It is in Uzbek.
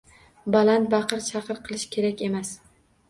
Baland baqir-chaqirlar qilish kerak emas.